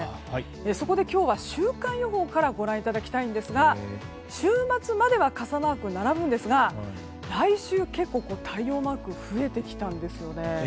そこで今日は週間予報からご覧いただきたいんですが週末までは傘マークが並ぶんですが来週結構、太陽マークが増えてきたんです。